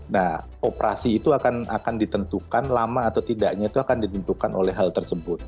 nah operasi itu akan ditentukan lama atau tidaknya itu akan ditentukan oleh hal tersebut